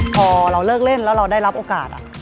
พอเราเลิกเล่นแล้วเราได้รับโอกาส